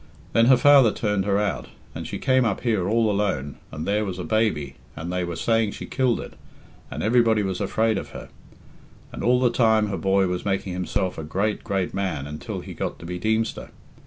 Then her father turned her out, and she came up here all alone, and there was a baby, and they were saying she killed it, and everybody was afraid of her. And all the time her boy was making himself a great, great man until he got to be Deemster.